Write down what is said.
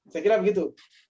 saya kira begitu